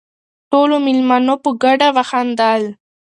ټولو مېلمنو په ګډه وخندل.